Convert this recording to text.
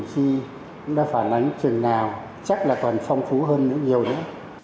cũng đã phản ánh chừng nào chắc là toàn phong phú hơn nữa nhiều nữa